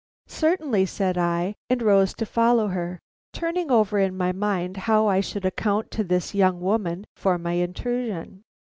"Certainly," said I, and rose to follow her, turning over in my mind how I should account to this young woman for my intrusion.